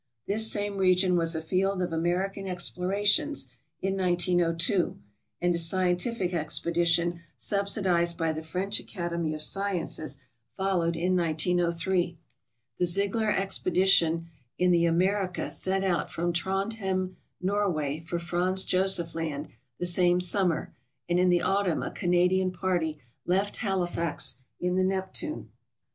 This same region was a field of American explorations in 1902, and a scientific expedition subsidized by the French Academy of Sciences followed in 1903. The Ziegler expedition in the "America" set out from Trondhjem, Norway, for Franz Josef Land the same summer, and in the autumn a Canadian party left Halifax in the "Neptune."